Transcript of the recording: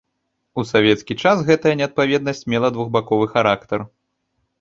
У савецкі час гэтая неадпаведнасць мела двухбаковы характар.